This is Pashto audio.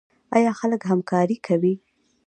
آیا خلک همکاري کوي؟